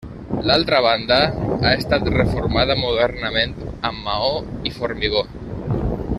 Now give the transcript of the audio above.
L'altra banda ha estat reformada modernament amb maó i formigó.